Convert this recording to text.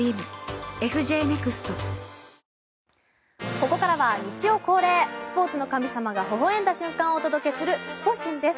ここからは日曜恒例スポーツの神様がほほ笑んだ瞬間をお届けするスポ神です。